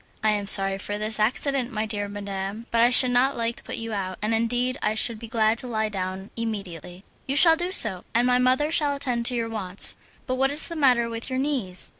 "I am sorry for this accident, my dear madam, but I should not like to put you out, and indeed I should be glad to lie down immediately." "You shall do so, and my mother shall attend to your wants. But what is the matter with your knees?"